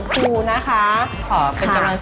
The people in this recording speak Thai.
การที่บูชาเทพสามองค์มันทำให้ร้านประสบความสำเร็จ